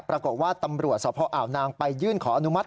ปรากฏว่าตำรวจสพอ่าวนางไปยื่นขออนุมัติ